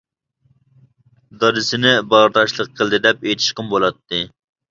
دادىسىنى باغرى تاشلىق قىلدى دەپ ئېيتىشقىمۇ بولاتتى.